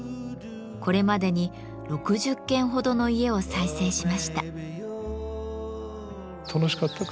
これまでに６０軒ほどの家を再生しました。